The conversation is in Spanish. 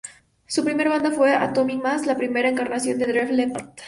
Su primer banda fue Atomic Mass, la primera encarnación de Def Leppard.